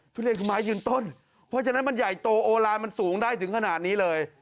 ทุเรียนคือไม้ยืนต้นเพราะฉะนั้นมันใหญ่โตโอลานมันสูงได้ถึงขนาดนี้เลย